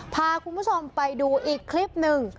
พาคุณผู้ชมไปดูอีกคลิปหนึ่ง